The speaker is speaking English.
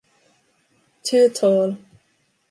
too tall.